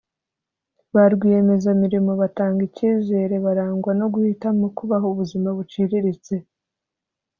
Ba rwiyemezamirimo batanga icyizere barangwa no guhitamo kubaho ubuzima buciriritse